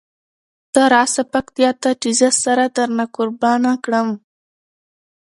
ته راسه پکتیکا ته چې زه سره درنه قربانه کړم.